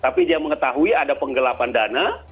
tapi dia mengetahui ada penggelapan dana